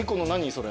それ。